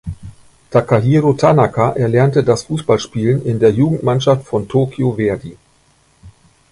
Takahiro Tanaka erlernte das Fußballspielen in der Jugendmannschaft von Tokyo Verdy.